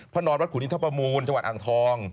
พาห์นอนวัดขุนิทธปมูลจังหวัดอังทอง